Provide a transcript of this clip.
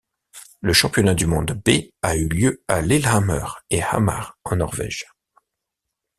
Le championnat du monde B a eu lieu à Lillehammer et Hamar en Norvège.